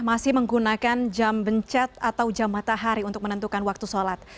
masih menggunakan jam bencat atau jam matahari untuk menentukan waktu sholat